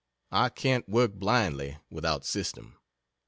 I can't work blindly without system.